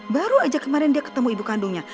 baru aja kemarin dia ketemu ibu kandungnya